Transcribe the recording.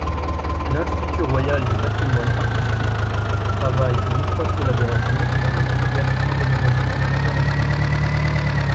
L'Institut royal du patrimoine artistique travaille en étroite collaboration avec diverses organisations internationales.